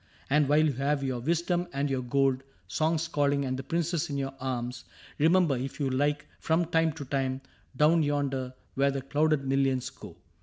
And while you have your wisdom and your gold, Songs calling, and the Princess in your arms. Remember, if you like, from time to time, Down yonder where the clouded millions go.